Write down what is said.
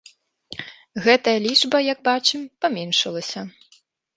Гэтая лічба, як бачым, паменшылася.